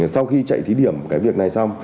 sau khi chạy thí điểm cái việc này xong